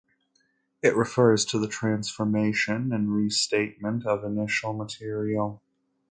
It refers to the transformation and restatement of initial material.